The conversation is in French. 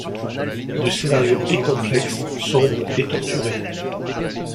Le scénario est complexe, sombre et torturé.